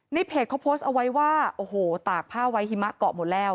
เพจเขาโพสต์เอาไว้ว่าโอ้โหตากผ้าไว้หิมะเกาะหมดแล้ว